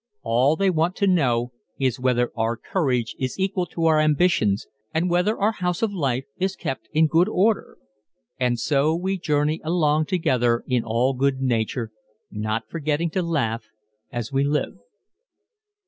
All they want to know is whether our courage is equal to our ambitions and whether our house of life is kept in good order. And so we journey along together in all good nature, not forgetting to laugh as we live.